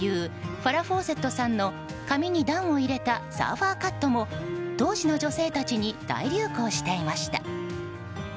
ファラ・フォーセットさんの髪に段を入れたサーファーカットも当時の女性たちに大流行していました。